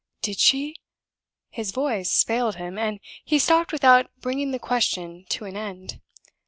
"Did she ?" His voice failed him, and he stopped without bringing the question to an end.